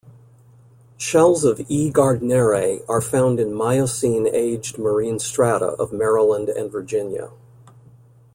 Shells of "E. gardnerae" are found in Miocene-aged marine strata of Maryland and Virginia.